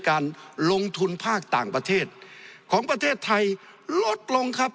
การลงทุนภาคต่างประเทศของประเทศไทยลดลงครับ